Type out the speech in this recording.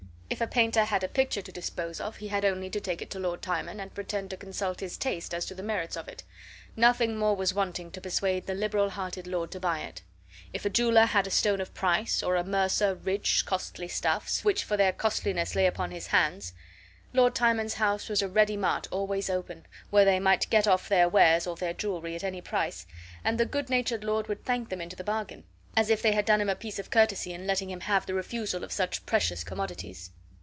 If a painter had a picture to dispose of he had only to take it to Lord Timon and pretend to consult his taste as to the merits of it; nothing more was wanting to persuade the liberal hearted lord to buy it. If a jeweler had a stone of price, or a mercer rich, costly stuffs, which for their costliness lay upon his hands, Lord Timon's house was a ready mart always open, where they might get off their wares or their jewelry at any price, and the good natured lord would thank them into the bargain, as if they had done him a piece of courtesy in letting him have the refusal of such precious commodities.